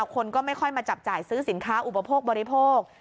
คนก็ไม่ค่อยมาจับจ่ายซื้อสินค้าอุปโภคบริโภค